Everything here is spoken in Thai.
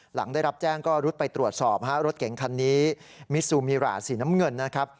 หลังได้รับแจ้งก็รุดไปตรวจสอบฮะรถเก๋งคันนี้มิซูมิราสีน้ำเงินนะครับ